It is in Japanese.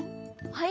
はい？